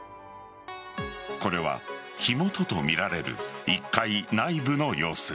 これは火元とみられる１階内部の様子。